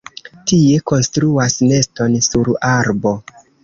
Tie konstruas neston sur arbo.